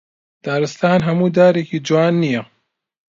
دارستان هەموو دارێکی جوان نییە